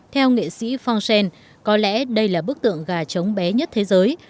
theo nghệ sĩ forsen có lẽ đây là bức tượng gà trống bé nhất thế giới